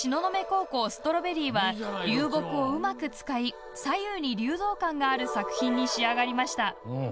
高校「Ｓｔｒａｗｂｅｒｒｙ」は流木をうまく使い左右に流動感がある作品に仕上がりました。